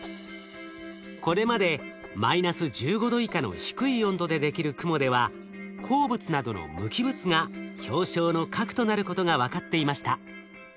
これまでマイナス１５℃以下の低い温度でできる雲では鉱物などの無機物が氷晶の核となることが分かっていました。